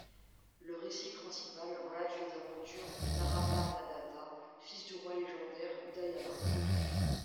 Le récit principal relate les aventures de Naravahanadatta, fils du roi légendaire Udayana.